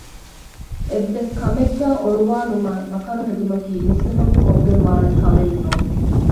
އެއްވެސްކަމެއްގައި އޮޅުވައިލުމާއި މަކަރުހެދުމަކީ މުސްލިމަކު ކޮށްގެންވާނެކަމެއްނޫން